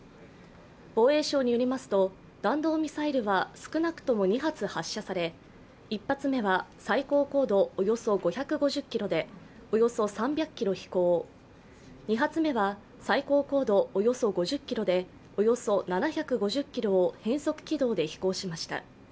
防衛省によりますと、弾道ミサイルは少なくとも２発発射され、１発目は最高高度およそ５５０ｋｍでおよそ３００ｋｍ飛行、２発目は最高高度およそ５０ｋｍでおよそ７５０ｋｍを変則軌道で飛行しました。